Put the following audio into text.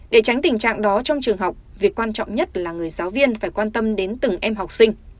để tránh tình trạng đó trong trường học việc quan trọng nhất là người giáo viên phải quan tâm đến từng em học sinh